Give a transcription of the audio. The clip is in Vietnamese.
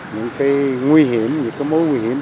những cái nguy hiểm những cái mối nguy hiểm